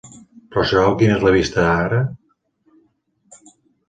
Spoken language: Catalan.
Però sabeu quina és la vista ara?